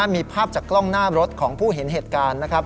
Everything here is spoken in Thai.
มีภาพจากกล้องหน้ารถของผู้เห็นเหตุการณ์นะครับ